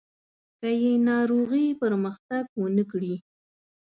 که یې ناروغي پرمختګ ونه کړي.